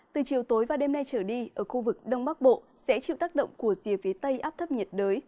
từ chiều tối và đêm nay trở đi ở khu vực đông bắc bộ sẽ chịu tác động của rìa phía tây áp thấp nhiệt đới